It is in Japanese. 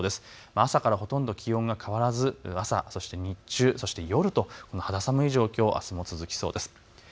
朝からほとんど気温が変わらず朝、そして日中、そして夜と肌寒い状況、あすも続きそうです。